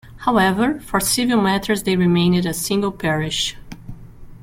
However, for civil matters they remained a single parish.